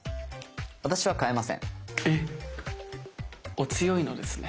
お強いのですね。